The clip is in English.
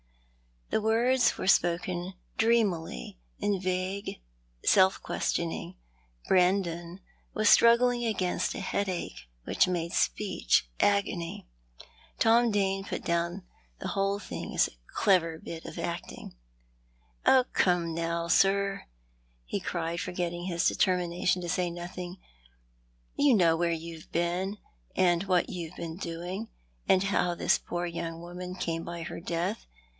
" The words were spoken dreamily, in vague self questioning. Brandon was struggling against a headache which made speech agony. Tom Dane put down the whole thing as a clever bit of acting. " Oh, come now, sir," he cried, forgetting his determination to say nothing, " you know where you've been, and what you've been doing, and how this poor young woman came by her death.